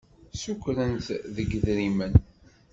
Sukren-t deg idrimen.